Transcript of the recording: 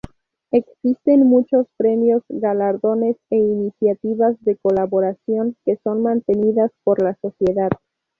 Existen muchos premios, galardones e iniciativas de colaboración que son mantenidas por la sociedad.